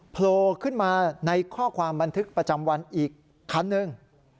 โผล่ขึ้นมาในข้อความบันทึกประจำวันอีกคันหนึ่ง